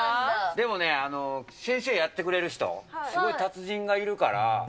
でもね、先生やってくれる人、すごい達人がいるから。